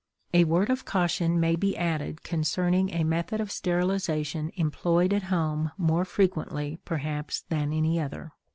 A word of caution may be added concerning a method of sterilization employed at home more frequently, perhaps, than any other.